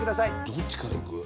どっちからいく？